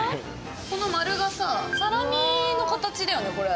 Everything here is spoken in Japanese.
この丸がさサラミの形だよねこれ。